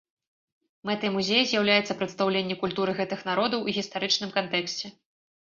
Мэтай музея з'яўляецца прадстаўленне культуры гэтых народаў у гістарычным кантэксце.